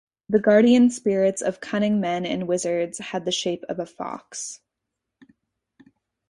The guardian spirits of cunning men and wizards had the shape of a fox.